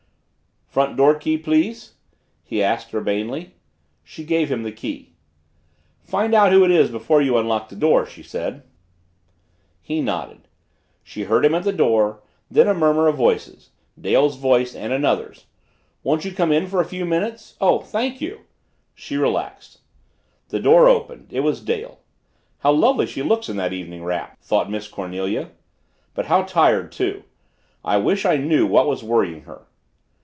"Front door key, please?" he asked urbanely. She gave him the key. "Find out who it is before you unlock the door," she said. He nodded. She heard him at the door, then a murmur of voices Dale's voice and another's "Won't you come in for a few minutes? Oh, thank you." She relaxed. The door opened; it was Dale. "How lovely she looks in that evening wrap!" thought Miss Cornelia. But how tired, too. I wish I knew what was worrying her.